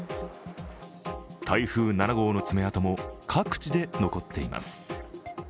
台風７号の爪痕も各地で残っています。